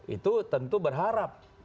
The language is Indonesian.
itu tentu berharap